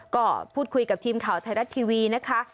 ก็พูดคุยกับทีมข่าวไทยรัฐทีวีนะคะ